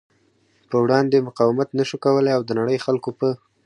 پر وړاندې مقاومت نشو کولی او د نړۍ خلکو په